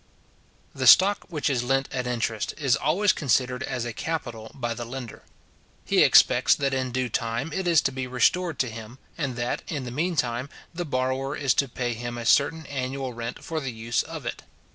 The stock which is lent at interest is always considered as a capital by the lender. He expects that in due time it is to be restored to him, and that, in the mean time, the borrower is to pay him a certain annual rent for the use of it.